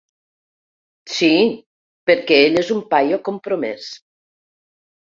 Sí, perquè ell és un paio compromès.